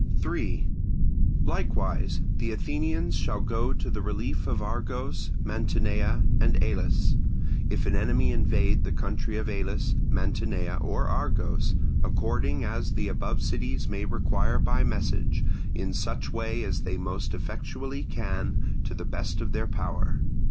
3. Likewise the Athenians shall go to the relief of Argos, Mantinea, and Elis, if an enemy invade the country of Elis, Mantinea, or Argos, according as the above cities may require by message, in such way as they most effectually can, to the best of their power.